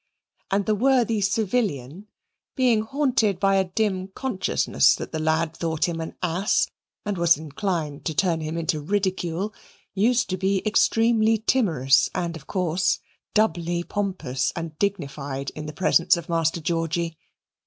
And the worthy civilian being haunted by a dim consciousness that the lad thought him an ass, and was inclined to turn him into ridicule, used to be extremely timorous and, of course, doubly pompous and dignified in the presence of Master Georgy.